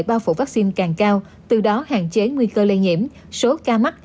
bao phủ vaccine càng cao từ đó hạn chế nguy cơ lây nhiễm số ca mắc